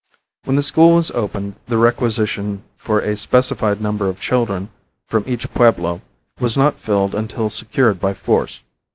When the school was opened the requisition for a specified number of children from each pueblo was not filled until secured by force.